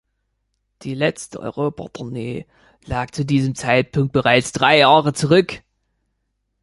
Die letzte Europatournee lag zu diesem Zeitpunkt bereits drei Jahre zurück.